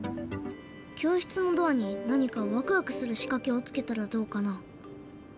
教室のドアに何かワクワクするしかけをつけたらどうかな？